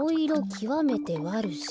きわめてわるしと。